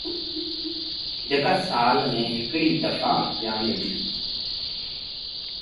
جيڪآ سآل ميݩ هڪڙي دڦآ ويٚآمي ديٚ۔